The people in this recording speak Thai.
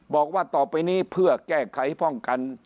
บอกว่าต่อไปนี้เพื่อแก้ไขป้องกัน